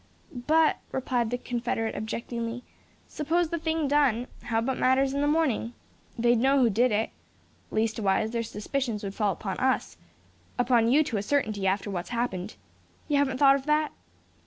"But," replied the confederate, objectingly, "suppose the thing done, how about matters in the morning? They'd know who did it. Leastwise, their suspicions would fall upon us, upon you to a certainty, after what's happened. You haven't thought of that?"